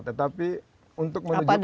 tetapi untuk menuju kesana itu